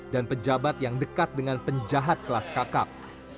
dan pejabat yang dekat dengan penjahat kelas kakap